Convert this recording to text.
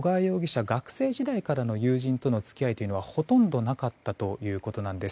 一方で小川容疑者学生時代からの友人との付き合いというのはほとんどなかったということです。